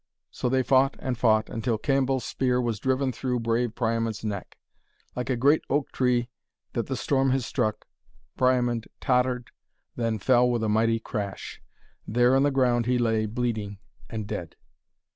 So they fought and fought, until Cambell's spear was driven through brave Priamond's neck. Like a great oak tree that the storm has struck, Priamond tottered, then fell with a mighty crash. There, on the ground, he lay bleeding and dead.